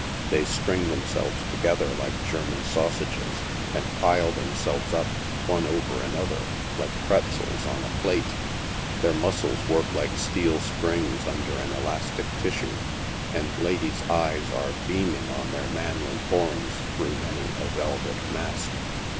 They string themselves together like German sausages, and pile them selves up, one over another, like prJzels on a plate. Their muscles work like steel springs under an elastic tissue, and ladies' eyes are beaming on their manly forms through many a velvet mask.